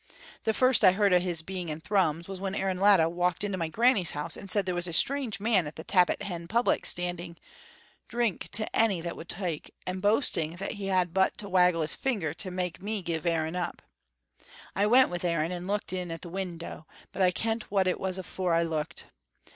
The first I heard o' his being in Thrums was when Aaron Latta walked into my granny's house and said there was a strange man at the Tappit Hen public standing drink to any that would tak', and boasting that he had but to waggle his finger to make me give Aaron up. I went wi' Aaron and looked in at the window, but I kent wha it was afore I looked.